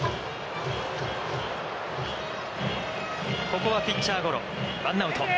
ここはピッチャーゴロ、ワンアウト。